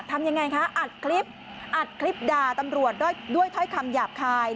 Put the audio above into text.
ทำยังไงคะอัดคลิปอัดคลิปด่าตำรวจด้วยถ้อยคำหยาบคาย